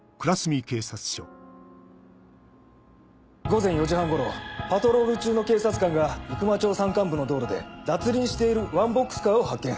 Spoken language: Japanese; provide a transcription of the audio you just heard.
午前４時半頃パトロール中の警察官が行真町山間部の道路で脱輪しているワンボックスカーを発見。